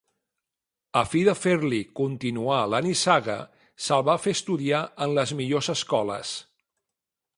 A fi de fer-li continuar la nissaga se'l va fer estudiar en les millors escoles.